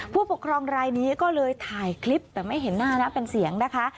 ผู้ปกครองรายนี้ก็เลยถ่ายคลิปแต่ไม่เห็นหน้านะเป็นเสียงนะคะ